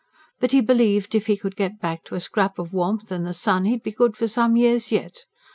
But he believed if he could get back to a scrap of warmth and the sun, he'd be good for some years yet.